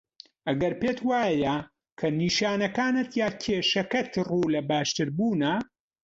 ئەگەر پێت وایه که نیشانەکانت یان کێشەکەت ڕوو له باشتربوونه